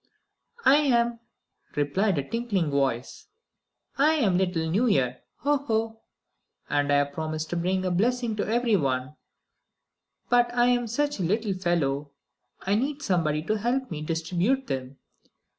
"I am," replied a tinkling voice. "I am the little New Year, ho! ho! And I've promised to bring a blessing to everyone. But I am such a little fellow I need somebody to help me distribute them.